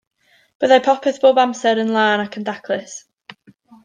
Byddai popeth bob amser yn lân ac yn daclus.